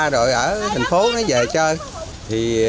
rồi ở thành phố nó về chơi